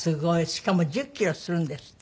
しかも１０キロするんですって？